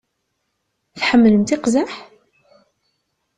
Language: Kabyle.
Tḥemmlemt iqzaḥ?